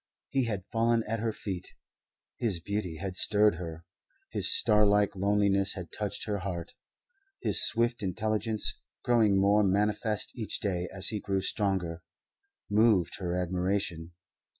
He had fallen at her feet. His beauty had stirred her. His starlike loneliness had touched her heart. His swift intelligence, growing more manifest each day as he grew stronger, moved her admiration.